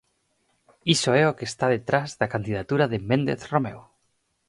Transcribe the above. Iso é o que está detrás da candidatura de Méndez Romeu.